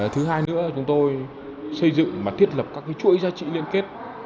thứ hai nữa là chúng tôi xây dựng và thiết lập các chuỗi gia trị liên kết